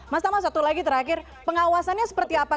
mas tama satu lagi terakhir pengawasannya seperti apa